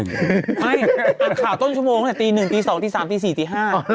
ไม่อ่านข่าวต้นชั่วโมงตั้งแต่ตีหนึ่งตี๒ตี๓ตี๔ตี๕